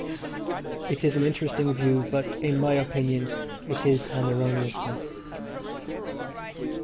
It is an interesting view, but in my opinion it is an erroneous one.